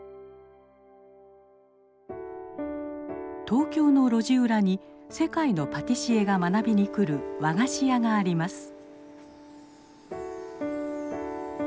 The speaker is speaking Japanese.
東京の路地裏に世界のパティシエが学びに来る和菓子屋があります。